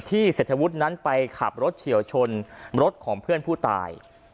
เศรษฐวุฒินั้นไปขับรถเฉียวชนรถของเพื่อนผู้ตาย